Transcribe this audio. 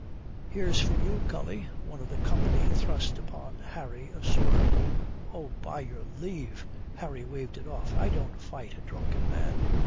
"Here's for you, cully." One of the company thrust upon Harry a sword. "Oh, by your leave," Harry waved it oft "I don't fight a drunken man."